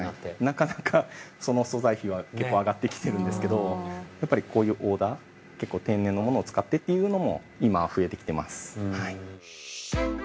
◆なかなか、その素材費は、結構上がってきているんですけど、やっぱりこういうオーダー、結構天然のものを使ってというのも今は増えてきています。